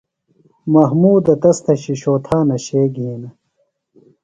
محمودہ تس تھےۡ شِشو تھانہ شئے گِھینہ۔